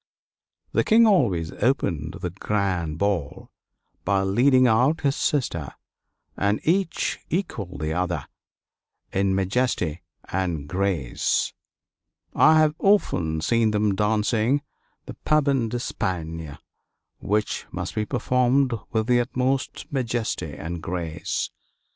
The King always opened the grand ball by leading out his sister, and each equaled the other in majesty and grace. I have often seen them dancing the Pavane d'Espagne, which must be performed with the utmost majesty and grace.